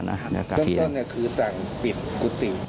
ก็คือสั่งปิดกุฏิ